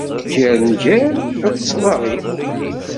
Gar nnger akked twaɣit.